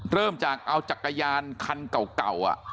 เริ่มจากเอาจักรยานคันเก่า